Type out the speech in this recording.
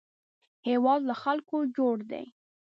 هېواد له خلکو جوړ دی